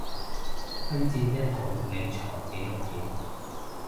推薦一套理財紀錄片